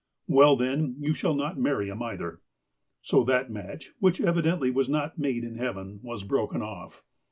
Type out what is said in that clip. " Well, then, you shall not marry him, either." So that match, which evidently was not made in heaven, was broken off.